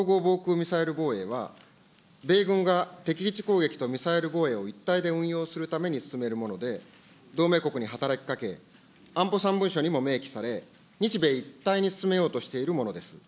ミサイル防衛は、米軍が敵基地攻撃とミサイル防衛を一体で運用するために進めるもので、同盟国に働きかけ、安保３文書にも明記され、日米一体に進めようとしているものです。